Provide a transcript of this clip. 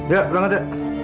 ya berangkat ya